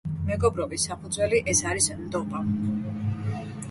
მეგობრობის საფუძველი, ეს არის ნდობა.